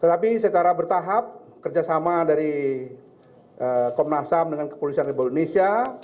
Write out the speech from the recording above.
tetapi secara bertahap kerjasama dari komnas ham dengan kepolisian republik indonesia